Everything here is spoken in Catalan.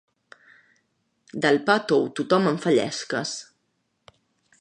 Del pa tou tothom en fa llesques.